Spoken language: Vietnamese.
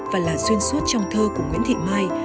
và là xuyên suốt trong thơ của nguyễn thị mai